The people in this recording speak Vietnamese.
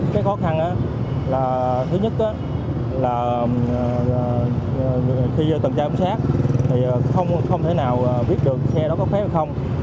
cái khó khăn là thứ nhất là khi tần trai bóng sát thì không thể nào biết được xe đó có phép hay không